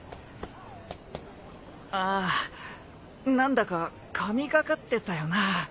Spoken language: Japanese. ああ何だか神がかってたよなァ。